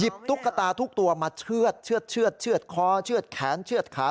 หยิบตุ๊กกะตาทุกตัวมาเชือดเชือดเชือดเชือดข้อเชือดแขนเชือดขา